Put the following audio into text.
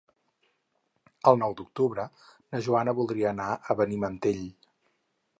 El nou d'octubre na Joana voldria anar a Benimantell.